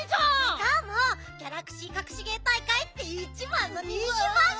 しかも「ギャラクシーかくし芸大会」っていちばんの人気ばんぐみよ！